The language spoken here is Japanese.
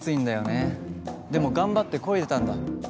でも頑張ってこいでたんだ。